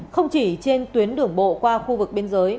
không chỉ trên tuyến đường bộ qua khu vực biên giới